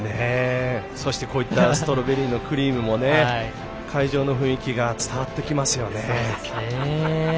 こういったストロベリーのクリームも会場の雰囲気が伝わってきますよね。